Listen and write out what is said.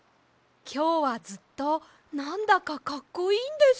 きょうはずっとなんだかかっこいいんです。